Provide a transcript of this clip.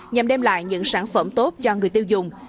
nhằm đem lại những sản phẩm tốt cho người tiêu dùng